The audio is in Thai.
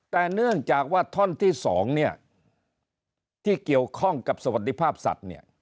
แต่เนื่องจากว่าท่อนที่๒เนี่ยที่เกี่ยวข้องกับสวัสดิภาพสัตว์เนี่ย